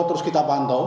terus kita pantau